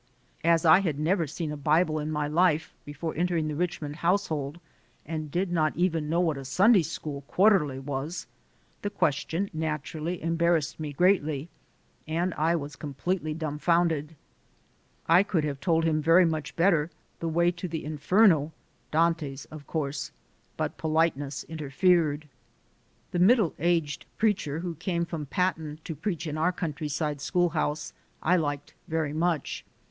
As I had never seen a Bible in my life before entering the Richmond household and 144 THE SOUL OF AN IMMIGRANT did not even know what a Sunday School quarterly was, the question naturally embarrassed me greatly and I was completely dumfounded. I could have told him very much better the way to the Inferno Dante's, of course but politeness interfered. The middle aged preacher, who came from Patten to preach in our country side schoolhouse, I liked very much.